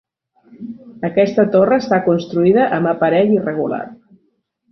Aquesta torre està construïda amb aparell irregular.